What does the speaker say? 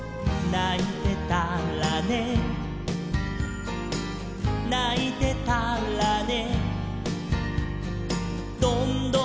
「ないてたらねないてたらね」